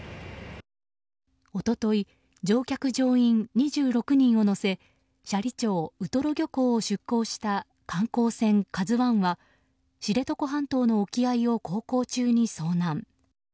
一昨日、乗客・乗員２６人を乗せ斜里町ウトロ漁港を出港した観光船「ＫＡＺＵ１」は知床半島の沖合を航行中に遭難。